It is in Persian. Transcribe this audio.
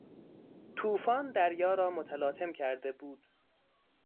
توفان دریا را متلاطم کرده بود.